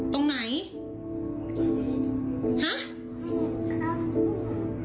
ตรงไหนไม่มี